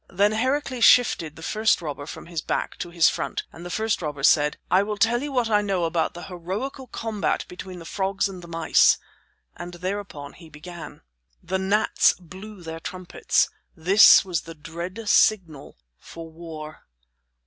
Then Heracles shifted the first robber from his back to his front, and the first robber said: "I will tell you what I know about the heroical combat between the frogs and the mice." And thereupon he began: The gnats blew their trumpets. This was the dread signal for war.